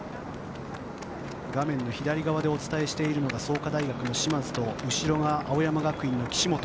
画面の左側でお伝えしているのが創価大学の嶋津と後ろが青山学院の岸本。